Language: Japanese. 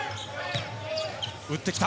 打ってきた。